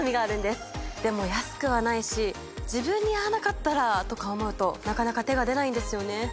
でも安くはないし自分に合わなかったらとか思うとなかなか手が出ないんですよね。